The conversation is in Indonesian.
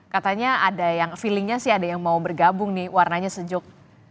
katanya ada yang feelingnya sih ada yang mau bergabung nih warnanya sejuk